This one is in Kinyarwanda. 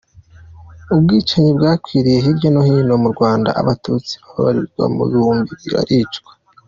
Ubwicanyi bwakwiriye hirya no hino mu Rwanda, Abatutsi babarirwa mu bihumbi baricwa.